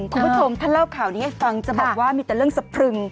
คุณผู้ชมถ้าเล่าข่าวนี้ให้ฟังจะบอกว่ามีแต่เรื่องสะพรึง